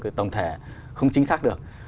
cái tổng thể không chính xác được